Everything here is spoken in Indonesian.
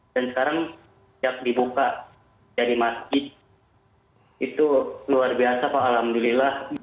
dan sekarang setiap dibuka jadi masjid itu luar biasa pak alhamdulillah